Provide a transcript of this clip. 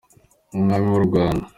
umwami w’u Rwanda.